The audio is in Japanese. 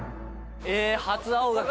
初青学！